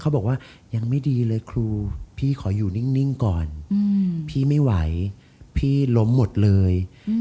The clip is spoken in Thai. บอกว่ายังไม่ดีเลยครูพี่ขออยู่นิ่งก่อนพี่ไม่ไหวพี่ล้มหมดเลย